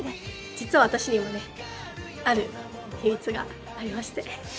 実は私にはねある秘密がありまして。